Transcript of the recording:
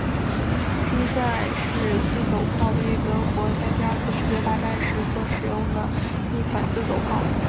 蟋蟀式自走炮为德国在第二次世界大战时所使用的一款自走炮。